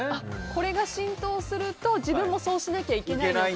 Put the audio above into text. これが浸透すると自分もそうしなきゃ。